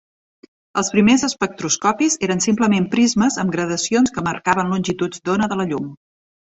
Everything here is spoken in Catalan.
Els primers espectroscopis eren simplement prismes amb gradacions que marcaven longituds d'ona de la llum.